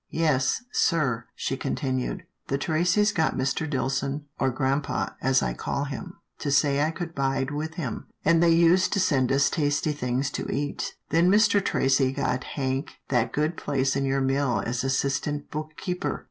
" Yes, sir," she continued, " the Tracys got Mr. Dillson, or grampa, as I call him, to say I could bide with him, and they used to send us tasty things to eat. Then Mr. Tracy got Hank that good place in your mill as assistant book keeper."